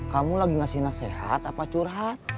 kamu lagi ngasih nasihat apa curhat